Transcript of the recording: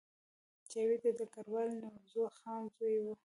جاوید د ډګروال نوروز خان زوی و